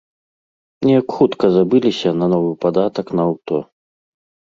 Неяк хутка забыліся на новы падатак на аўто.